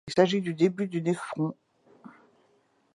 Il s'agit du début du néphron.